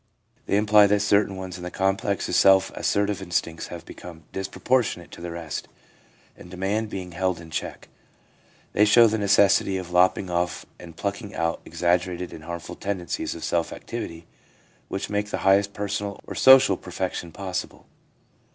They imply that certain ones in the complex of self assertive instincts have become disproportionate to the rest, and demand being held in check. They show the necessity of lopping off and plucking out exaggerated and harmful tendencies of self activity which make the highest personal or social perfection impossible.